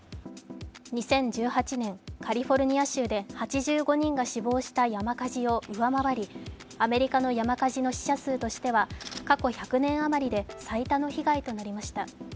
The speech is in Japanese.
２０１８年、カリフォルニア州で８５人が死亡した山火事を上回り、アメリカの山火事の死者数としては過去１００年余りで最多の被害となりました。